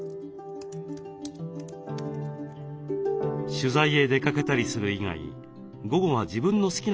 取材へ出かけたりする以外午後は自分の好きなことに使います。